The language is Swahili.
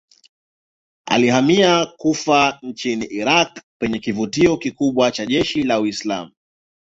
Alihamia Kufa nchini Irak penye kituo kikubwa cha jeshi la Uislamu.